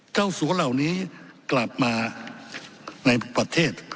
สัวเหล่านี้กลับมาในประเทศ